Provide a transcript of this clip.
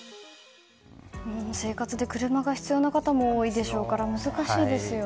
生活で車が必要な方も多いでしょうから難しいですよね。